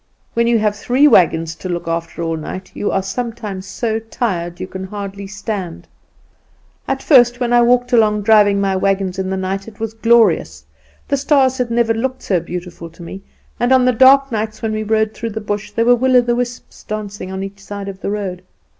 "When you have three wagons to look after all night, you are sometimes so tired you can hardly stand. At first when I walked along driving my wagons in the night it was glorious; the stars had never looked so beautiful to me; and on the dark nights when we rode through the bush there were will o' the wisps dancing on each side of the road.